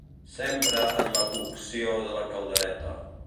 S'empra en la cocció de la caldereta.